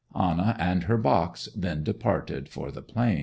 Anna and her box then departed for the Plain.